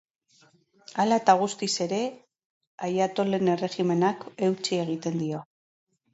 Hala eta guztiz ere, aiatolen erregimenak eutsi egiten dio.